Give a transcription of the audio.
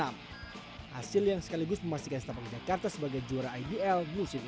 hasil yang sekaligus memastikan stepak jakarta sebagai juara ibl